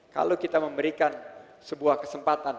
kalau kita memberikan sebuah kesempatan